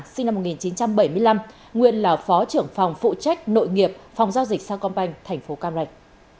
sinh năm một nghìn chín trăm bảy mươi năm nguyên là phó trưởng phòng phụ trách nội nghiệp phòng giao dịch sa công banh thành phố cam ranh